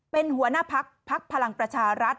๒เป็นหัวหน้าภักดิ์ภักดิ์พลังประชารัฐ